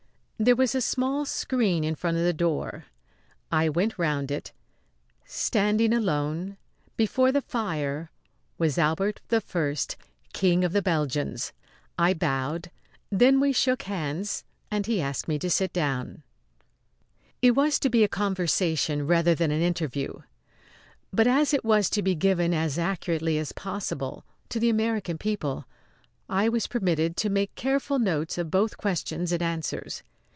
There was a small screen in front of the door. I went round it. Standing alone before the fire was Albert I, King of the Belgians. I bowed; then we shook hands and he asked me to sit down. It was to be a conversation rather than an interview; but as it was to be given as accurately as possible to the American people, I was permitted to make careful notes of both questions and answers.